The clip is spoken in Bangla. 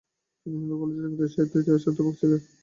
তিনি হিন্দু কলেজের ইংরেজি সাহিত্য এবং ইতিহাসের অধ্যাপক হয়েছিলেন।